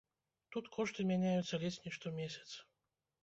Тут кошты мяняюцца ледзь не штомесяц.